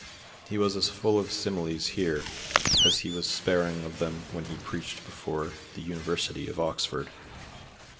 He was as full of similes here as he was sparing of them when he preached before the University of Oxford.